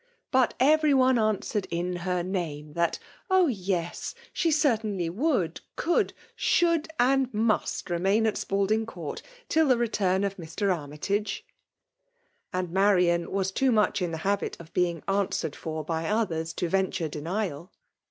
But erery one answcoced in her name, that " Oh ! yes — she certainly would, cooldy should, and must rcmaim at Raiding Court till the return of Mr. Arsq^ tage." And Marian was too much in the habit of being answered for by others, to ven ture denial.